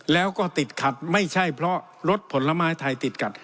แล้วก็ติดขัดไม่ใช่เพราะรถผลไม้ไทยติดขัด